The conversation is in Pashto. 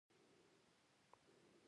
افغانستان کې زغال د خلکو د خوښې وړ ځای دی.